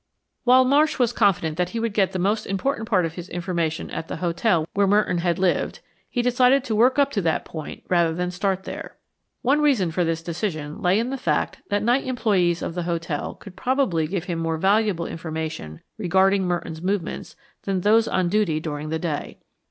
While Marsh was confident that he would get, the most important part of his information at the hotel where Merton had lived, he decided to work up to that point rather than start there. One reason for this decision lay in the fact that night employees of the hotel could probably give him more valuable information regarding Merton's movements than those on duty during the day.